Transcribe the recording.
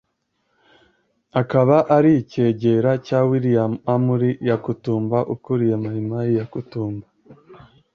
akaba ari icyegera cya William Amuri Yakutumba ukuriye Mai-Mai Yakutumba